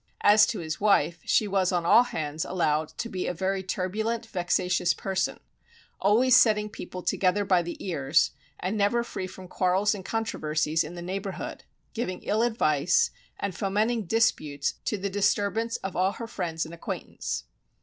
As to his wife, she was on all hands allowed to be a very turbulent, vexatious person, always setting people together by the ears, and never free from quarrels and controversies in the neighbourhood, giving ill advice, and fomenting disputes to the disturbance of all her friends and acquaintance.